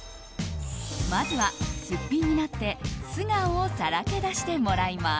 まずは、すっぴんになって素顔をさらけ出してもらいます。